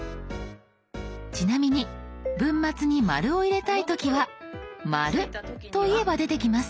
ちなみに文末に「。」を入れたい時は「まる」と言えば出てきます。